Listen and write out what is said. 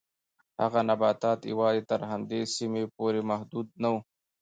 هغه نباتات یوازې تر همدې سیمې پورې محدود نه و.